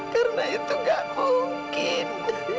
karena itu nggak mungkin